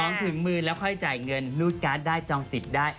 ถึงมือแล้วค่อยจ่ายเงินรูดการ์ดได้จองสิทธิ์ได้